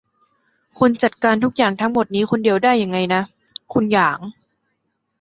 คุณจัดการทุกอย่างทั้งหมดนี้คนเดียวได้ยังไงนะ คุณหยาง